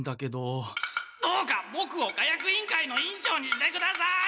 どうかボクを火薬委員会の委員長にしてください！